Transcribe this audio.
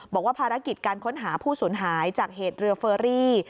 บอกว่าภารกิจการค้นหาผู้สูญหายจากเหตุเรือเฟอรี่